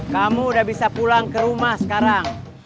kamu udah bisa pulang ke rumah sekarang